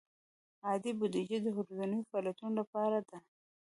عادي بودیجه د ورځنیو فعالیتونو لپاره ده.